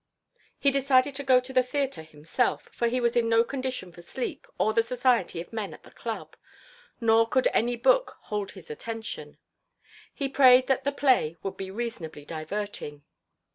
He decided to go to the theater himself, for he was in no condition for sleep or the society of men at the club, nor could any book hold his attention. He prayed that the play would be reasonably diverting.